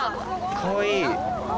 かわいい。